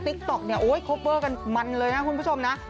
ต๊อกเนี่ยโอ๊ยโคเวอร์กันมันเลยนะคุณผู้ชมนะ